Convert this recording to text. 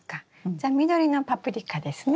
じゃあ緑のパプリカですね？